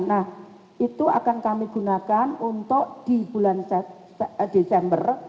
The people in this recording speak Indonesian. nah itu akan kami gunakan untuk di bulan desember